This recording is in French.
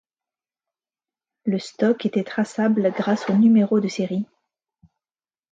Le stock était traçable grâce aux numéros de série.